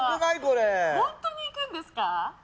本当に行くんですか。